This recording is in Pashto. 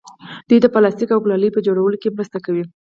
دوی د پلاستیک او ګلالي په جوړولو کې مرسته کوي.